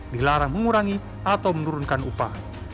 dilarang mengurangi atau menurunkan upah